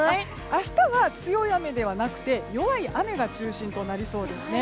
明日は強い雨ではなくて弱い雨が中心となりそうですね。